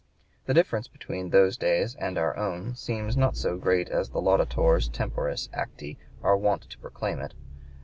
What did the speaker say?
The difference between those days and our own seems not so great as the laudatores temporis acti are wont to proclaim it.